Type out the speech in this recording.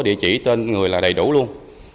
địa chỉ tên người là đầy đủ luôn